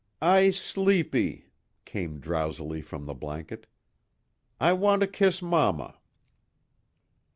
"I sleepy," came drowsily from the blanket. "I want to kiss mamma."